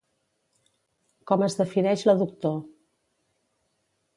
Com es defineix la doctor.